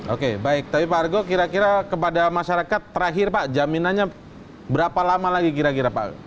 oke baik tapi pak argo kira kira kepada masyarakat terakhir pak jaminannya berapa lama lagi kira kira pak